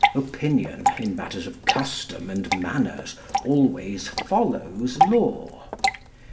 Opinion, in matters of custom and manners, always follows law.